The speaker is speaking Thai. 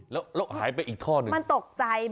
แล้วหายไปอีกท่อนึงมันตกใจ